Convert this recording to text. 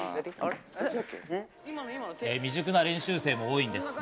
未熟な練習生も多いんです。